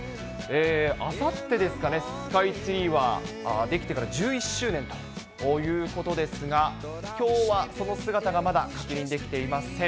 あさってですかね、スカイツリーは出来てから１１周年ということですが、きょうはその姿がまだ確認できていません。